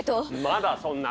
まだそんな。